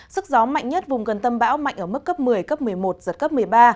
sức gió mạnh nhất vùng gần tâm bão mạnh ở mức cấp một mươi cấp một mươi một giật cấp một mươi ba